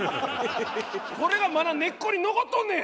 それがまだ根っこに残っとんねん！